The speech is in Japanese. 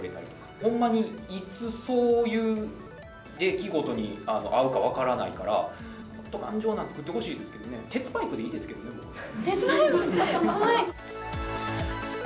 ほんまにいつそういう出来事に遭うか分からないから、もっと頑丈なの作ってほしいですけどね、鉄パイプでいいですけど鉄パイプ？